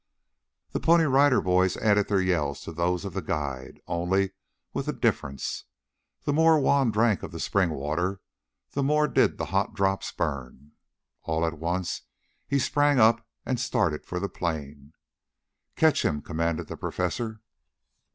The Pony Rider Boys added their yells to those of the guide, only with a difference. The more Juan drank of the spring water, the more did the hot drops burn. All at once he sprang up and started for the plain. "Catch him!" commanded the Professor.